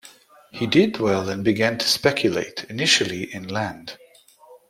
He did well and began to speculate, initially in land.